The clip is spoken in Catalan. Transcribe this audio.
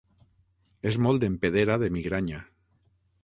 És molt empedera de migranya.